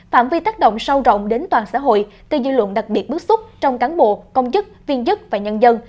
phạm vi tác động sâu rộng đến toàn xã hội gây dư luận đặc biệt bức xúc trong cán bộ công chức viên chức và nhân dân